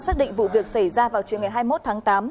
xác định vụ việc xảy ra vào trưa ngày hai mươi một tháng tám